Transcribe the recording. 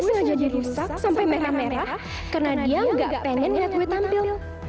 muka gue sengaja dirusak sampai merah merah karena dia nggak pengen lihat gue tampil